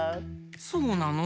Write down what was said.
そうなの？